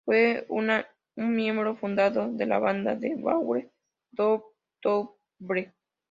Fue una miembro fundadora de la banda de Vaughan: Double Trouble.